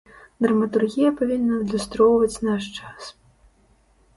Драматургія павінна адлюстроўваць наш час.